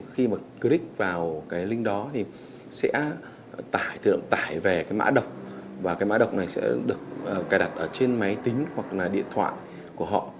khi mà click vào cái link đó thì sẽ tải về cái mã độc và cái mã độc này sẽ được cài đặt trên máy tính hoặc là điện thoại của họ